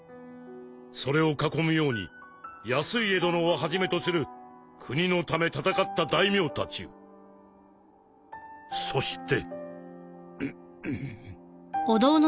それを囲むように康イエ殿をはじめとする国のため戦った大名たちをそして。